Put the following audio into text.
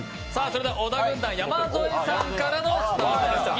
小田軍団、山添さんからのスタートです。